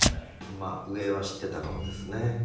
まあ上は知ってたかもですね。